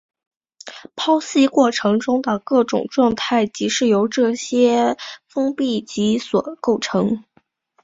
剖析过程中的各种状态即是由这些封闭集所构成。